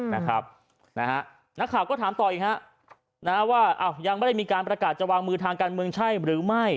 นักข่าวก็ถามต่ออีกฮะว่ายังไม่ได้มีการประกาศจะวางมือทางการเมืองใช่หรือไม่